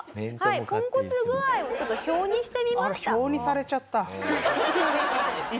ポンコツ具合をちょっと表にしてみました。